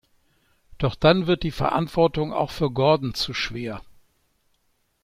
Doch dann wird die Verantwortung auch für Gordon zu schwer.